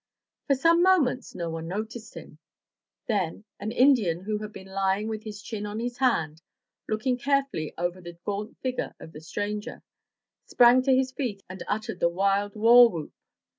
For some moments no one noticed him. Then an Indian who had been lying with his chin on his hand, looking carefully over the gaunt figure of the stranger, sprang to his feet, and uttered the wild war whoop.